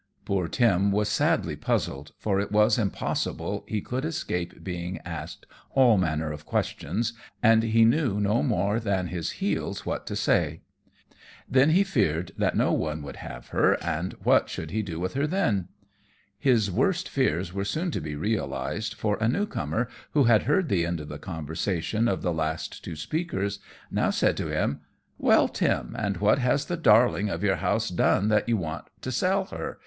Poor Tim was sadly puzzled, for it was impossible he could escape being asked all manner of questions, and he knew no more than his heels what to say. Then, too, he feared that no one would have her, and what should he do with her then. His worst fears were soon to be realized, for a new comer, who had heard the end of the conversation of the last two speakers, now said to him "Well, Tim, and what has the darling of your house done that you want to sell her?